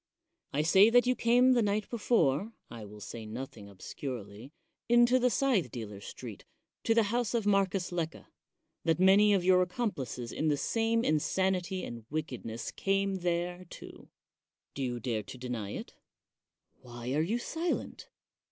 I say that you came the night before (I will say nothing obscurely) into the Scy thedealers ' Street, to the house of Marcus Lecca ; that many of your accomplices in the same insanity and wickedness came there, too. Do you dare to deny it? Why are you silent?